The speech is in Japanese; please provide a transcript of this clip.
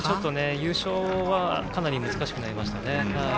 優勝はかなり難しくなりましたね。